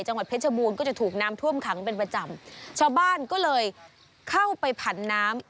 เพชรบูรณ์ก็จะถูกน้ำท่วมขังเป็นประจำชาวบ้านก็เลยเข้าไปผันน้ำ